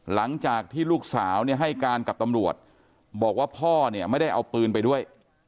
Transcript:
หลังจากที่ลูกสาวเนี่ยให้การกับตำรวจบอกว่าพ่อเนี่ยไม่ได้เอาปืนไปด้วย